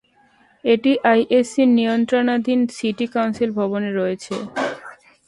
এটি ISC নিয়ন্ত্রণাধীন city council ভবনে রয়েছে।